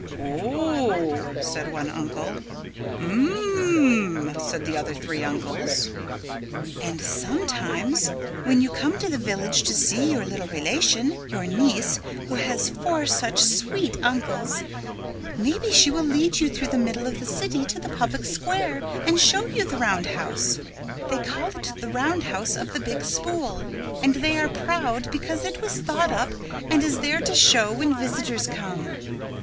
"O o h h," said one uncle. "Um m m m," said the other three uncles. "And sometimes when you come to the village to see your little relation, your niece who has four such sweet uncles, maybe she will lead you through the middle of the city to the public square and show you the roundhouse. They call it the Roundhouse of the Big Spool. And they are proud because it was thought up and is there to show when visitors come."